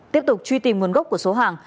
tiếp tục truy tìm nguồn gốc của số hàng